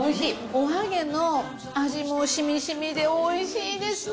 お揚げの味も染み染みでおいしいですね。